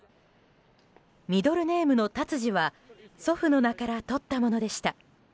ミドルネームのタツジは祖父の名からとったものでした。